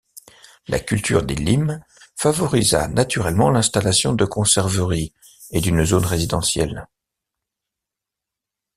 La culture des limes favorisa naturellement l'installation de conserveries et d'une zone résidentielle.